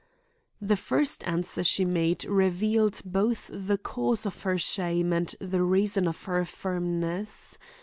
The first answer she made revealed both the cause of her shame and the reason of her firmness.